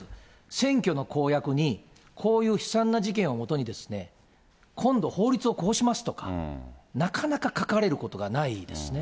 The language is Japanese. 選挙の公約にこういう悲惨な事件をもとに、今度、法律をこうしますとか、なかなか書かれることがないですね。